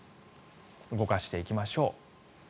動かしていきましょう。